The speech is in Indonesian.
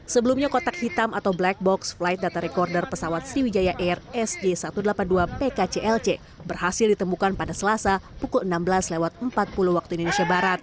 sebelumnya kotak hitam atau black box flight data recorder pesawat sriwijaya air sj satu ratus delapan puluh dua pkclc berhasil ditemukan pada selasa pukul enam belas empat puluh waktu indonesia barat